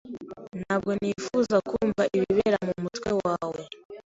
Ntabwo nifuza kumva ibibera mumutwe wawe.